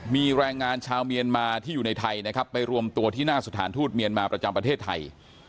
มีแรงงานชาวเมียนมาที่อยู่ในไทยนะครับไปรวมตัวที่หน้าสถานทูตเมียนมาประจำประเทศไทย